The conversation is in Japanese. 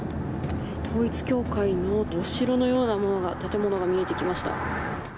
統一教会のお城のような建物が見えてきました。